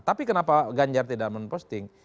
tapi kenapa ganjar tidak memposting